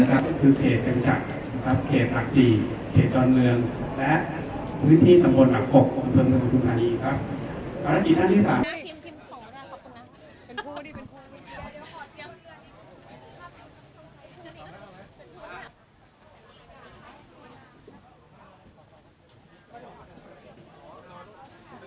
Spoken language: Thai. ก็คือเขตกรรจักรเขตตากศีเขตจอดเมือง